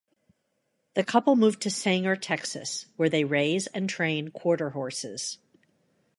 The couple moved to Sanger, Texas where they raise and train quarter horses.